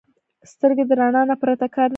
سترګې د رڼا نه پرته کار نه کوي